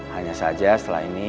hanya saja setelah ini